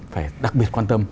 phải đặc biệt quan tâm